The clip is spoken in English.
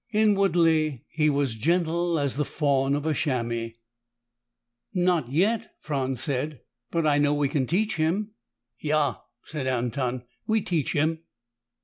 Inwardly, he was gentle as the fawn of a chamois. "Not yet," Franz said. "But I know we can teach him." "Yah," said Anton. "We teach him."